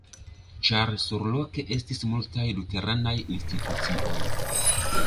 Ĉar surloke estis multaj luteranaj institucioj.